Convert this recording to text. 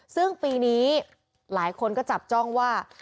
ซึ่งปีนี้หลายคนก็จับจ้องว่า